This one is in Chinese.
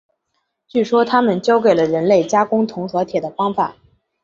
据说他们教给了人类加工铜和铁的方法。